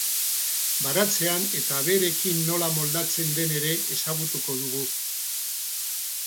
Baratzean eta abereekin nola moldatzen den ere ezagutuko dugu.